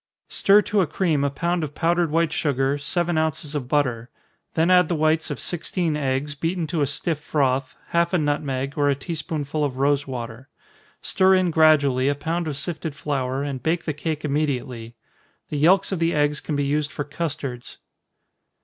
_ Stir to a cream a pound of powdered white sugar, seven ounces of butter then add the whites of sixteen eggs, beaten to a stiff froth, half a nutmeg, or a tea spoonful of rosewater. Stir in gradually a pound of sifted flour, and bake the cake immediately. The yelks of the eggs can be used for custards.